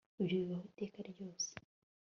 ibyo bibaho iteka ryose